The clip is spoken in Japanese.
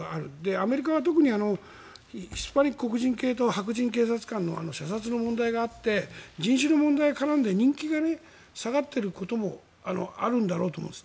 アメリカは特にヒスパニック黒人系と白人警察官の射殺の問題があって人種の問題が絡んで人気が下がっていることもあるんだろうと思います。